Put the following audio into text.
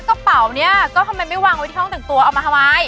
กระเป๋าเนี่ยก็ทำไมไม่วางไว้ที่ห้องแต่งตัวเอามาทำไม